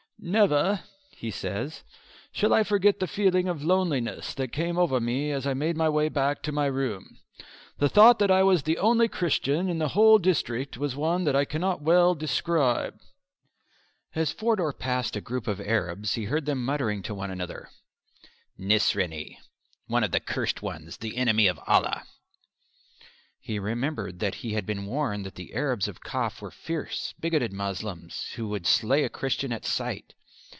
"Never," he says, "shall I forget the feeling of loneliness that came over me as I made my way back to my room. The thought that I was the only Christian in the whole district was one that I cannot well describe." As Forder passed a group of Arabs he heard them muttering to one another, "Nisraney one of the cursed ones the enemy of Allah!" He remembered that he had been warned that the Arabs of Kaf were fierce, bigoted Moslems who would slay a Christian at sight.